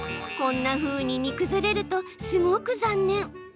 こんなふうに煮崩れるとすごく残念。